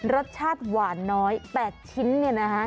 รสชาติหวานน้อย๘ชิ้นเนี่ยนะฮะ